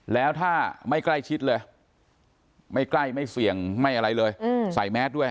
แล้วถ้าไม่ใกล้ชิดเลยไม่ใกล้ไม่เสี่ยงไม่อะไรเลยใส่แมสด้วย